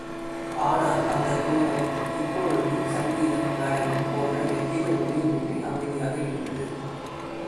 ஆனால், அந்தக்கூடம் இப்பொழுது சங்கீதம் நடனம் போன்ற எவ்வித ஒலியுமின்றி அமைதியாக இருந்தது.